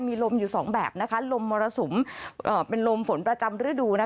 มีลมอยู่๒แบบลมมรสมเป็นลมฝนประจำฤดู